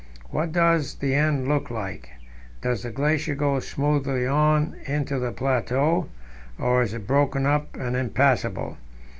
What does the end look like? Does the glacier go smoothly on into the plateau, or is it broken up and impassable?